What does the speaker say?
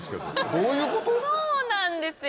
そうなんですよ。